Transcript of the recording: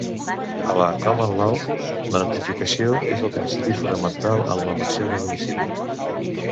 A la common law, la notificació és el principi fonamental en l'elecció de domicili.